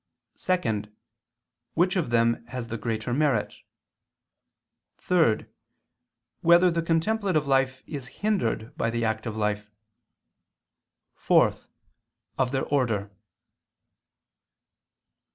(2) Which of them has the greater merit? (3) Whether the contemplative life is hindered by the active life? (4) Of their order.